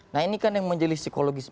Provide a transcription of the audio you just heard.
nah ini kan yang majelis psikologis